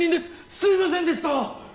すいませんでした！